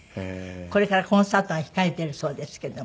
これからコンサートが控えているそうですけれども。